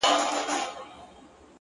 ددې سايه به ،پر تا خوره سي،